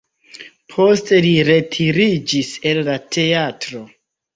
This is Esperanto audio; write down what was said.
Poste li retiriĝis el la teatro.